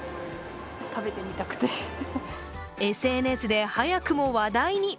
ＳＮＳで早くも話題に。